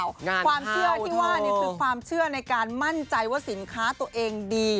ความเชื่อที่ว่าคือความเชื่อในการมั่นใจว่าสินค้าตัวเองดี